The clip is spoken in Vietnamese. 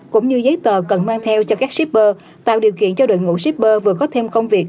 cũng như giấy tờ cần mang theo cho các shipper tạo điều kiện cho đội ngũ shipper vừa có thêm công việc